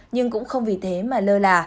nhưng cũng không vì thế mà lơ là